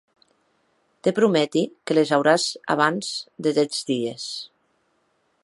Te prometi que les auràs abans de dètz dies.